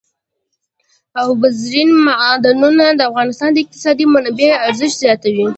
اوبزین معدنونه د افغانستان د اقتصادي منابعو ارزښت زیاتوي.